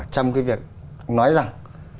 trong cái việc nói rằng